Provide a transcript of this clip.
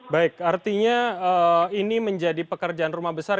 baik artinya ini menjadi pekerjaan rumah besar